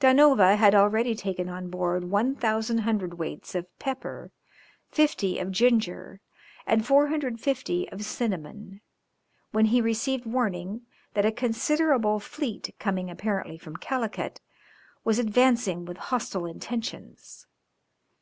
Da Nova had already taken on board 1000 hundredweights of pepper, 50 of ginger, and 450 of cinnamon, when he received warning that a considerable fleet, coming apparently from Calicut, was advancing with hostile intentions.